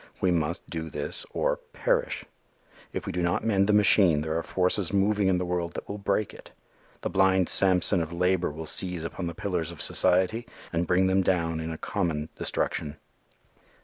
We must do this or perish. If we do not mend the machine, there are forces moving in the world that will break it. The blind Samson of labor will seize upon the pillars of society and bring them down in a common destruction.